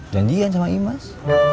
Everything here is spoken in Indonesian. janjian sama imas